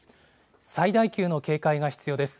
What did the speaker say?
最大級の警戒が必要です。